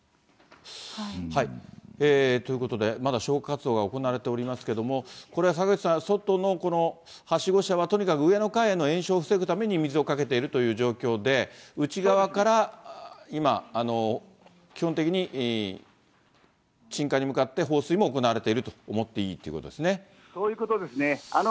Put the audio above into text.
ということで、まだ消火活動が行われておりますけれども、これ坂口さん、外のはしご車は、とにかく上の階への延焼を防ぐために水をかけているという状況で、内側から今、基本的に鎮火に向かって放水も行われていると思っていいというこそういうことですね。